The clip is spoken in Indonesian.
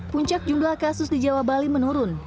puncak jumlah kasus di jawa bali menurun